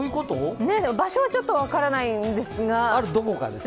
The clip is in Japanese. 場所はちょっと分からないんですが。